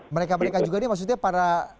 mereka mereka juga ini maksudnya para